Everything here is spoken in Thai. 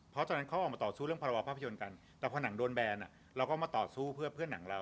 เพราะตอนนั้นเขาออกมาต่อสู้เรื่องพรวภาพยนตร์กันแต่พอหนังโดนแบนเราก็มาต่อสู้เพื่อเพื่อนหนังเรา